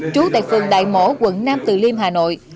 trú tại phường đại mỗ quận nam từ liêm hà nội